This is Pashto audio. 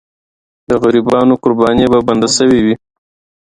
د غریبانو قرباني به بنده سوې وي.